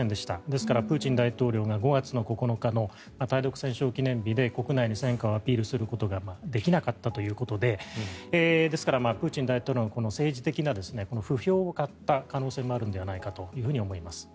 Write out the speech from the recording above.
ですから、プーチン大統領が５月９日の対独戦勝記念日で国内に戦果をアピールすることができなかったということでですから、プーチン大統領の政治的な不評を買った可能性もあるのではないかと思います。